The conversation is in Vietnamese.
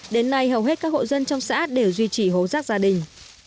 đến nay hầu hết các hộ dân trong xã đều duy trì hố rác gia đình